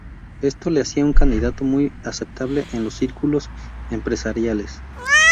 Esto le hacía un candidato muy aceptable a los círculos empresariales.